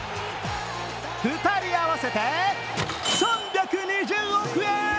２人合わせて３２０億円！